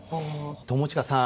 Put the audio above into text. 友近さん